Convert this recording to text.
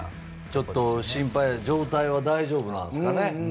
ちょっと心配なのが状態は大丈夫ですかね？